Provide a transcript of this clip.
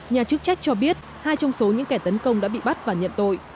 nhà chức trách cho biết hai trong số những kẻ tấn công đã bị bắt và nhận tội